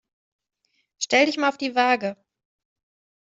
Stell dich mal auf die Waage.